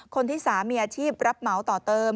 คนที่๓มีอาชีพรับเหมาต่อเติม